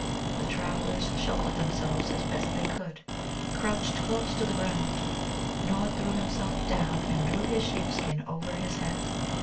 The travellers sheltered themselves as best they could, crouched close to the ground. Nod threw himself down and drew his sheep skin over his head.